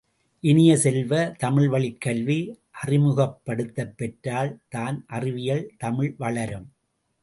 இனிய செல்வ, தமிழ்வழிக் கல்வி அறிமுகப்படுத்தப்பெற்றால் தான் அறிவியவில் தமிழ் வளரும்.